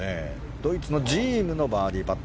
ドイツのジームのバーディーパット。